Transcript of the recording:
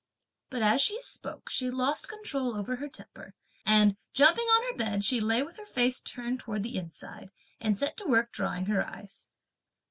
But as she spoke, she lost control over her temper, and, jumping on her bed, she lay with her face turned towards the inside, and set to work drying her eyes.